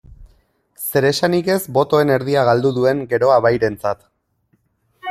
Zeresanik ez botoen erdia galdu duen Geroa Bairentzat.